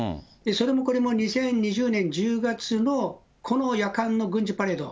それもこれも２０２０年１０月のこの夜間の軍事パレード、